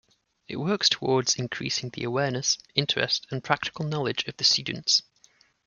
It works towards increasing the awareness, interest, and practical knowledge of the students.